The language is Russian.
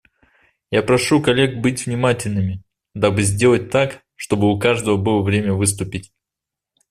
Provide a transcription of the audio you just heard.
Я прошу коллег быть внимательными, дабы сделать так, чтобы у каждого было время выступить.